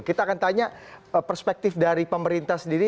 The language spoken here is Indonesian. kita akan tanya perspektif dari pemerintah sendiri